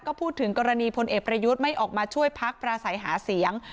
ก็พูดถึงกรณีพลเอกประยุทธ์ไม่ออกมาช่วยพักปราศัยหาเสียง